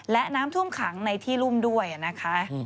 และน้ำท่วมขังในที่รุ่มด้วยนะคะ